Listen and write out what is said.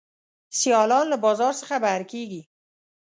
سیالان له بازار څخه بهر کیږي.